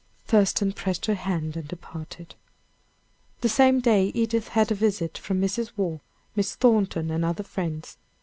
Thurston pressed her hand and departed. The same day Edith had a visit from Mrs. Waugh, Miss Thornton and other friends.